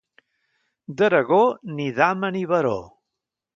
D'Aragó, ni dama ni baró.